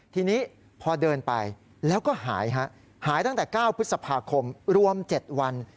ทีนี้พอเดินไปแล้วก็หายฮะหายตั้งแต่๙พฤษภาคมรวม๗วัน